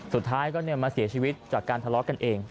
สุดท้ายก็มาเสียชีวิตจากการทะเลาะกันเอง